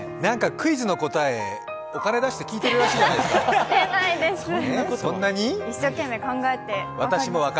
クイズの答え、お金を出して聞いているらしいじゃないですか。